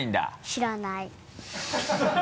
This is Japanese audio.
知らない。